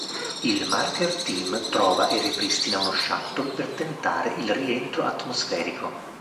Il Marker Team trova e ripristina uno shuttle per tentare il rientro atmosferico.